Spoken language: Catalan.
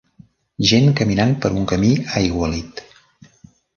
Gent caminant per un camí aigualit.